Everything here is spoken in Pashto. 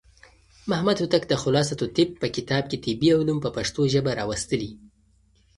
محمد هوتک د خلاصة الطب په کتاب کې طبي علوم په پښتو ژبه راوستلي.